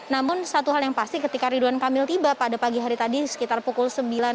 namun satu hal yang pasti ketika ridwan kamil tiba pada pagi hari tadi sekitar pukul sembilan tiga puluh